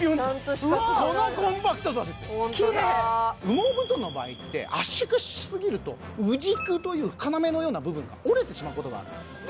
羽毛布団の場合って圧縮しすぎると羽軸という要のような部分が折れてしまうことがあるんですね